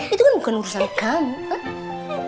itu kan bukan urusan kamu kan